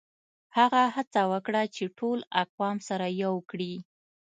هغه هڅه وکړه چي ټول اقوام سره يو کړي.